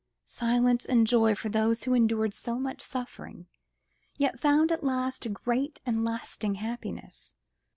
—silence and joy for those who had endured so much suffering, yet found at last a great and lasting happiness.